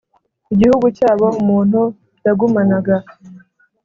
igihugu cyabo umuntu yagumanaga